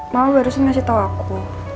mama barusan ngasih tau aku